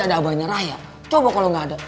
iya jangan ketahuan curagan ya